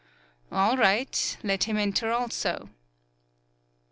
"All right. Let him enter also."